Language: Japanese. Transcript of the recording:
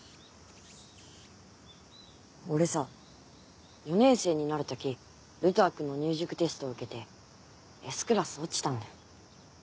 俺さ４年生になる時ルトワックの入塾テスト受けてＳクラス落ちたんだよ。